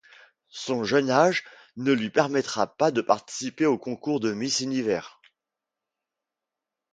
Son jeune âge ne lui permettra pas de participer au concours de Miss Univers.